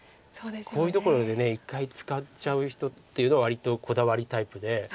こういうところで１回使っちゃう人っていうのは割とこだわりタイプで。